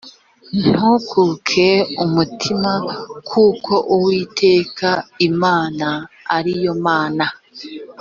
ntukuke umutima kuko uwiteka imana ari yo mana